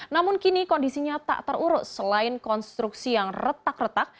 namun kini kondisinya tak terurus selain konstruksi yang retak retak